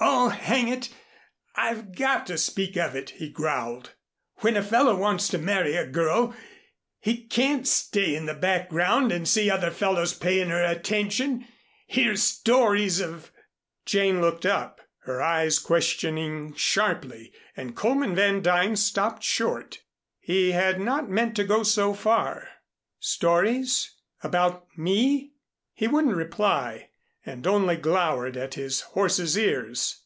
"Oh, hang it! I've got to speak of it," he growled. "When a fellow wants to marry a girl, he can't stay in the background and see other fellows payin' her attention hear stories of " Jane looked up, her eyes questioning sharply and Coleman Van Duyn stopped short. He had not meant to go so far. "Stories about me?" He wouldn't reply, and only glowered at his horse's ears.